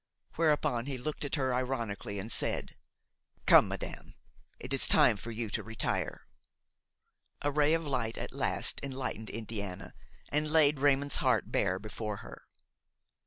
Whereupon he looked at her ironically and said: "Come, madame, it is time for you to retire." A ray of light at last enlightened Indiana and laid Raymon's heart bare before her.